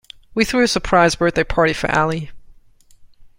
We threw a surprise birthday party for Ali.